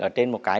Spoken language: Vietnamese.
ở trên một cái